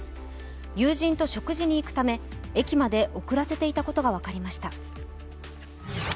友人と食事に行くため駅まで送らせていたことが分かりました。